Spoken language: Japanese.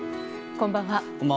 こんばんは。